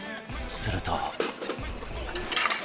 すると